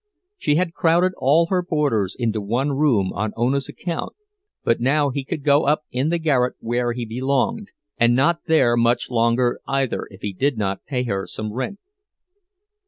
She had crowded all her boarders into one room on Ona's account, but now he could go up in the garret where he belonged—and not there much longer, either, if he did not pay her some rent.